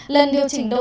lần điều chỉnh đầu tiên